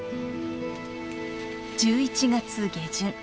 １１月下旬。